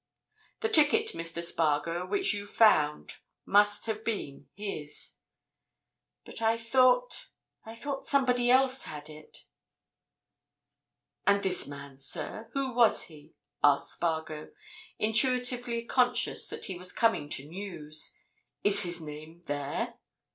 The ticket, Mr. Spargo, which you've found must have been his. But I thought—I thought somebody else had it!" "And this man, sir? Who was he?" asked Spargo, intuitively conscious that he was coming to news. "Is his name there?"